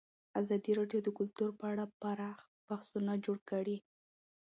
ازادي راډیو د کلتور په اړه پراخ بحثونه جوړ کړي.